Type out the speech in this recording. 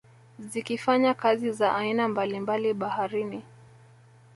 Zikifanya kazi za aina mbalimbali baharini